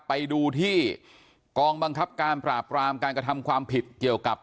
ไปดูที่กองบังคับการปราบรามการกระทำความผิดเกี่ยวกับ